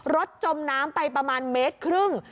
จมน้ำไปประมาณเมตรครึ่ง